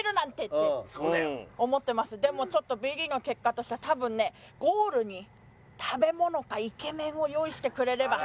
でもちょっとビリの結果としては多分ねゴールに食べ物かイケメンを用意してくれれば。